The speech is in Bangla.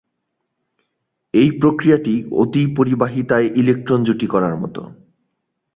এই প্রক্রিয়াটি অতিপরিবাহিতায় ইলেক্ট্রন জুটি করার মতো।